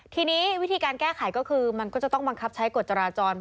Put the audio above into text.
ทีนี้วิธีการแก้ไขก็คือมันก็จะต้องบังคับใช้กฎจราจร